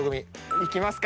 いきますか。